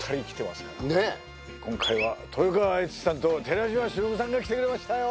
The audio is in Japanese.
今回は豊川悦司さんと寺島しのぶさんが来てくれましたよ